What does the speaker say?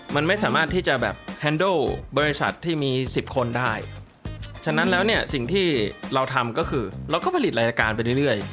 มันไม่สามารถที่จะแบบแฮนโดบริษัทที่มีสิบคนได้ฉะนั้นแล้วเนี่ยสิ่งที่เราทำก็คือเราก็ผลิตรายการไปเรื่อย